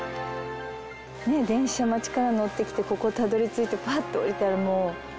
電車街から乗ってきてここたどり着いてパッと降りたらもう。